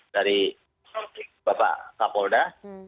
dari bapak kabupaten polda